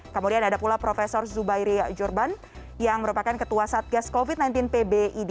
kemudian ada pula prof zubairi jurban yang merupakan ketua satgas covid sembilan belas pbid